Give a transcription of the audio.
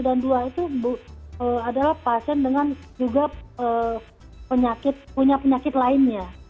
dua itu adalah pasien dengan juga punya penyakit lainnya